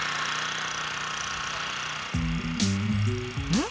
うん？